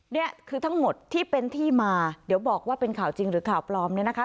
นี่คือทั้งหมดที่เป็นที่มาเดี๋ยวบอกว่าเป็นข่าวจริงหรือข่าวปลอมเนี่ยนะคะ